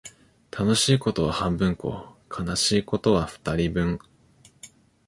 楽しいことは半分こ、悲しいことは二人分